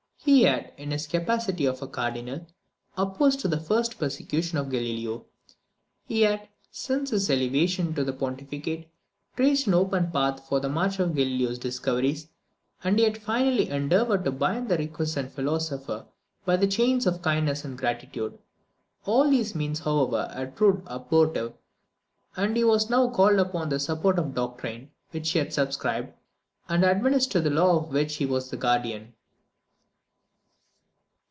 He had, in his capacity of a Cardinal, opposed the first persecution of Galileo. He had, since his elevation to the pontificate, traced an open path for the march of Galileo's discoveries; and he had finally endeavoured to bind the recusant philosopher by the chains of kindness and gratitude. All these means, however, had proved abortive, and he was now called upon to support the doctrine which he had subscribed, and administer the law of which he was the guardian.